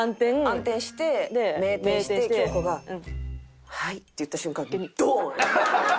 暗転して明転して京子が「はい」って言った瞬間。